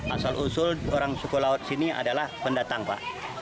asal usul orang suku laut sini adalah pendatang pak